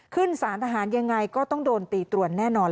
ขึ้นสารทหารยังไงก็ต้องโดนตีตรวนแน่นอน